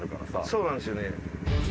そうなんですよね。